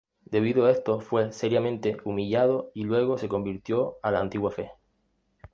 Debido a esto fue seriamente humillado y luego se convirtió a la antigua fe.